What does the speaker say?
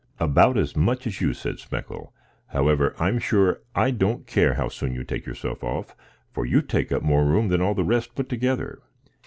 "About as much as you," said Speckle. "However, I'm sure I don't care how soon you take yourself off, for you take up more room than all the rest put together."